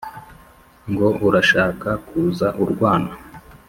Ngo urashaka kuza urwana